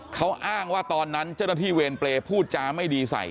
เขาอ้างว่าตอนนั้นเจ้าหน้าที่เวรเปรย์พูดจาไม่ดีใส่